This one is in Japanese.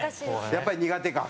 やっぱり苦手か